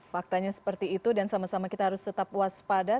faktanya seperti itu dan sama sama kita harus tetap waspada